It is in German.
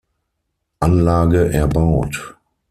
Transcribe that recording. Anlage erbaut.